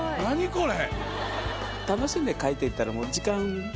これ。